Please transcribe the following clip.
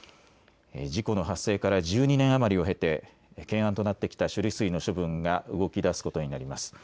事故の発生から１２年余りを経て懸案となってきた処理水の処分が動きだすことになります。